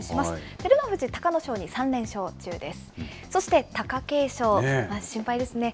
照ノ富士、隆の勝に３連勝中です。